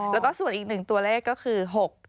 แล้วก็ส่วนอีก๑ตัวเลขก็คือ๖๗